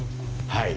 はい。